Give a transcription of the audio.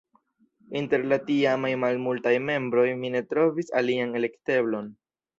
Inter la tiamaj malmultaj membroj mi ne trovis alian elekteblon.